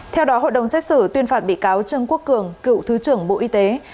theo đó hội đồng xét xử tuyên phạt bị cáo trương quốc cường cựu thứ trưởng bộ y tế